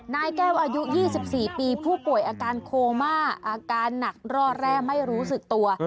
นายแก้วอายุ๒๔ปีผู้ป่วยอาการโคม่าอาการหนักร่อแร่ไม่รู้สึกตัว